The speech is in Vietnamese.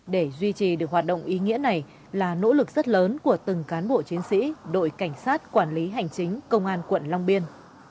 để duy trì được hoạt động ý nghĩa này là nỗ lực rất lớn của từng cán bộ chiến sĩ đội cảnh sát quản lý hành chính công an quận long biên